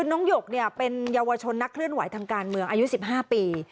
น้องหยกเป็นเยาวชนนักเคลื่อนไหวทางการเมืองอายุ๑๕ปี